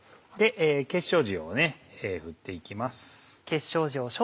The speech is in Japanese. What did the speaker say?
結晶塩を振って行きます。